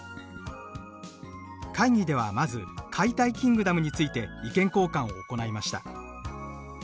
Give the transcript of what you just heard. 会議ではまず「解体キングダム」について意見交換を行いました。